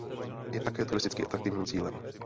Je také turisticky atraktivním cílem.